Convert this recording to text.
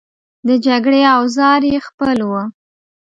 د جګړې اوزار یې خپل وو.